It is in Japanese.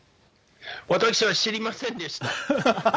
私は知りませんでした。